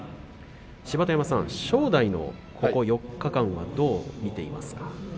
芝田山さん、正代のここ４日間はどう見ていますか？